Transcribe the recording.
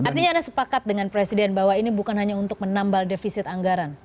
artinya anda sepakat dengan presiden bahwa ini bukan hanya untuk menambal defisit anggaran